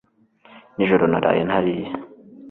nijoro naraye ntariye